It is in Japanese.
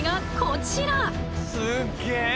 すっげえ！